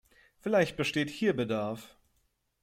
Vielleicht besteht hier Bedarf.